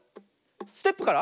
ステップから。